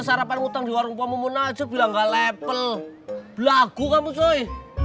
sarapan utang di warung pomo pun aja bilang ga level lagu kamu cuy